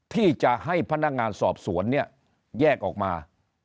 ที่จะให้พนักงานสอบสวนเนี่ยแยกออกมา